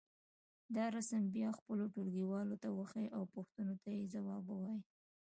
دا رسم بیا خپلو ټولګيوالو ته وښیئ او پوښتنو ته یې ځواب ووایئ.